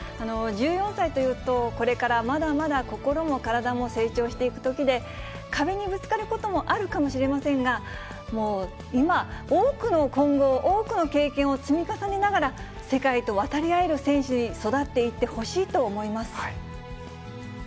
１４歳というと、これからまだまだ心も体も成長していくときで、壁にぶつかることもあるかもしれませんが、今、多くの今後、多くの経験を積み重ねながら、世界と渡り合える選手に育っていってほしいと思います。